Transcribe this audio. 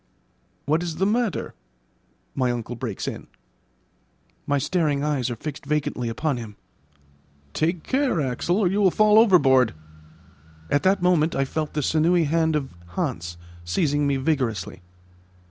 "What is the matter?" my uncle breaks in. My staring eyes are fixed vacantly upon him. "Take care, Axel, or you will fall overboard." At that moment I felt the sinewy hand of Hans seizing me vigorously.